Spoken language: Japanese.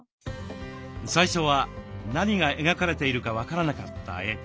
最初は何が描かれているか分からなかった絵。